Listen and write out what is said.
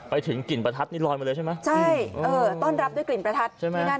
ไปถึงกลิ่นประทัดนี่ลอยมาเลยใช่ไหมใช่ต้อนรับด้วยกลิ่นประทัด